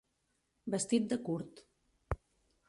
Vestit de curt.